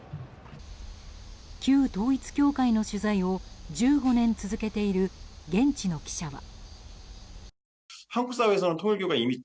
旧統一教会の取材を１５年続けている現地の記者は。